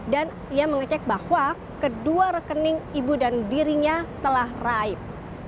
dan ia mengecek bahwa kedua rekening ibu dan dirinya telah raib